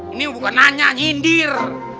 ini bukan nanya nyindir